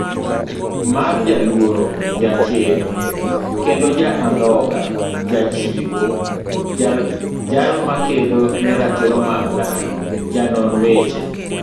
marJaluoro, jachir, kendoja andhoga Jachiwo, jalmakedo neratiro mag dhano, janon weche